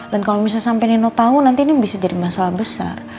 dan kalo misal sampe nino tau nanti ini bisa jadi masalah besar